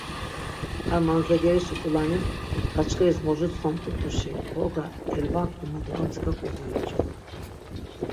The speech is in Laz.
Ar mandzagerişi k̆ulani, daçxiris mojurtsxondurt̆uşi fork̆a elvak̆limu do armtsika koguiç̆u.